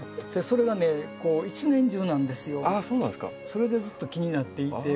それでずっと気になっていて。